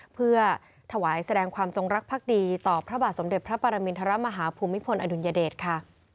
เพื่อถวายแสดงความจงรักภักดีต่อพระบาทสมเด็จพระปรมินทรมาฮภูมิพลอดุลยเดชค่ะ